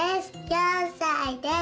４さいです。